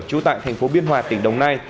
trú tại thành phố biên hòa tỉnh đồng nai